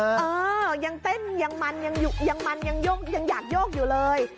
เออยังเต้นยังมันยังอยู่ยังมันยังยกยังอยากโยกอยู่เลย